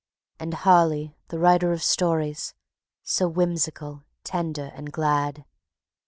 And Harley, the writer of stories, so whimsical, tender and glad!